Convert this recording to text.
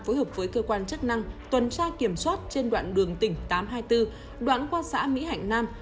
phối hợp với cơ quan chức năng tuần tra kiểm soát trên đoạn đường tỉnh tám trăm hai mươi bốn đoạn qua xã mỹ hạnh nam